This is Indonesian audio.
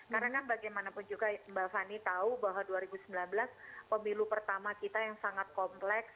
karena bagaimanapun juga mbak fani tahu bahwa dua ribu sembilan belas pemilu pertama kita yang sangat kompleks